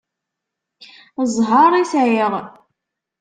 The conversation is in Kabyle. Ẓẓher i sɛiɣ.